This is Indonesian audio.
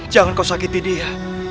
jangan kau sakiti dia